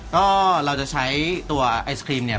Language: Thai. ก็เราจะใช้ตัวไอศครีมเนี่ย